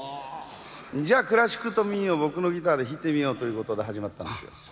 じゃあクラシックと民謡僕のギターで弾いてみようということで始まったんですよ。